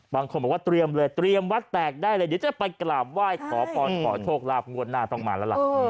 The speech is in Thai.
บางคนบอกว่าเตรียมเลยเตรียมวัดแตกได้เลยเดี๋ยวจะไปกราบไหว้ขอพรขอโชคลาภงวดหน้าต้องมาแล้วล่ะ